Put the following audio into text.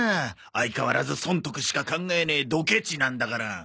相変わらず損得しか考えねえドケチなんだから。